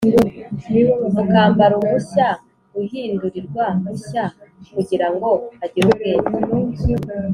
mukambara umushya uhindurirwa mushya kugira ngo agire ubwenge